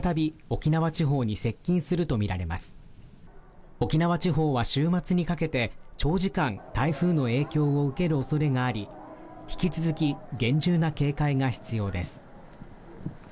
沖縄地方は週末にかけて長時間台風の影響を受けるおそれがあり引き続き厳重な警戒が必要です